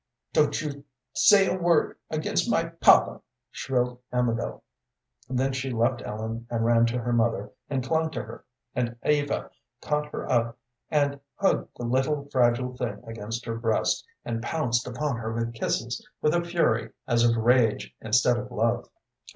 "Don't you say a word against my papa!" shrilled Amabel. Then she left Ellen and ran to her mother, and clung to her. And Eva caught her up, and hugged the little, fragile thing against her breast, and pounced upon her with kisses, with a fury as of rage instead of love.